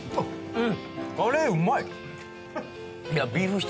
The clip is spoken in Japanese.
うん！